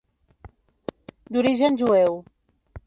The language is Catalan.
D'origen jueu.